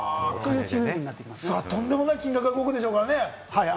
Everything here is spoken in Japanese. とんでもない金額が動くでしょうからね。